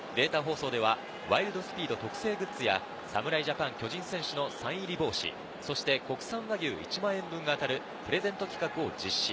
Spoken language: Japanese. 放送では『ワイルド・スピード』特製グッズや侍ジャパン巨人選手のサイン入り帽子、そして国産和牛１万円分が当たるプレゼント企画を実施。